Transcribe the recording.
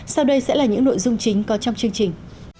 sau đây sẽ là những nội dung chính có trong chương trình